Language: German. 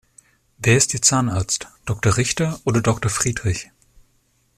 Wer ist ihr Zahnarzt? Doktor Richter oder Doktor Friedrich?